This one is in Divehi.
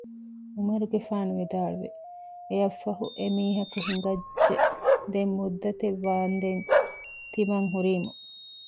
ޢުމަރުގެފާނު ވިދާޅުވި އެއަށް ފަހު އެ މީހަކު ހިނގައްޖެ ދެން މުއްދަތެއް ވާނދެން ތިމަން ހުރީމު